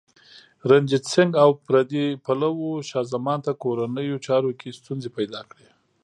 رنجیت سنګ او پردي پلوو شاه زمان ته کورنیو چارو کې ستونزې پیدا کړې.